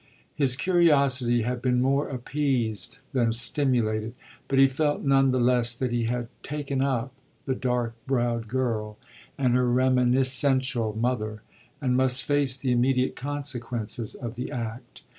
His curiosity had been more appeased than stimulated, but he felt none the less that he had "taken up" the dark browed girl and her reminiscential mother and must face the immediate consequences of the act.